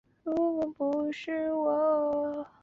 国际癌症研究机构将萘氮芥列为人类致癌物。